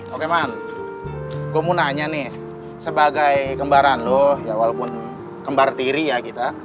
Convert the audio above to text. oke man gue mau nanya nih sebagai kembaran loh ya walaupun kembar tiri ya kita